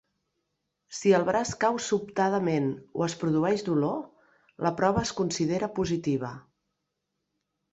Si el braç cau sobtadament o es produeix dolor, la prova es considera positiva.